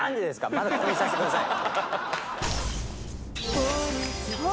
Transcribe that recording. まだここにいさせてください。